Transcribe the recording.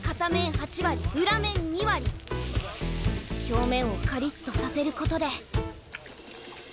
表面をカリッとさせることで。